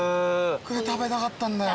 これ食べたかったんだよ。